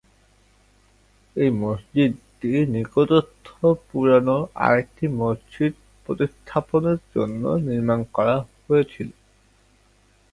এই মসজিদটি নিকটস্থ পুরানো আরেকটি মসজিদ প্রতিস্থাপনের জন্য নির্মাণ করা হয়েছিল।